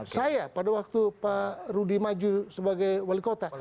saya pada waktu pak rudi maju sebagai wali kota